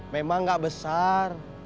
memang gak besar